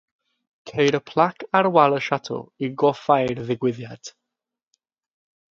Ceir plac ar wal y château i goffáu'r digwyddiad.